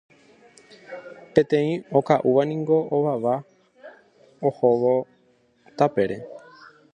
Peteĩ oka'úvaniko ovava ohóvo tapére